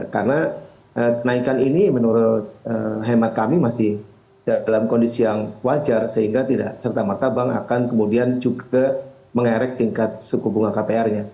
karena naikan ini menurut hemat kami masih dalam kondisi yang wajar sehingga tidak serta merta bank akan kemudian juga mengerek tingkat suku bunga kpr nya